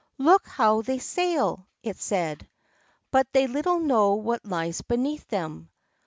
"Look how they sail!" it said. "But they little know what lies beneath them.